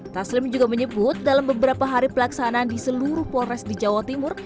taslim juga menyebut dalam beberapa hari pelaksanaan di seluruh polres di jawa timur